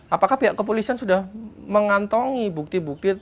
apakah pihak kepolisian sudah mengantongi bukti bukti